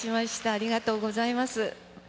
ありがとうございます。